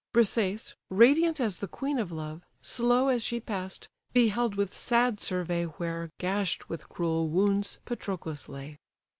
Briseïs, radiant as the queen of love, Slow as she pass'd, beheld with sad survey Where, gash'd with cruel wounds, Patroclus lay.